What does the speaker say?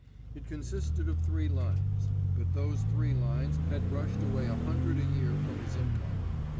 It consisted of three lines; but those three lines had brushed away a hundred a year from his income.